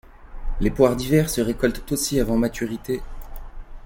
Les poires d'hiver se récoltent aussi avant maturité.